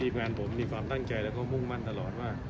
ที่งานผมก็มีความตั้งใจแล้วก็มุ่งมั่นตลอด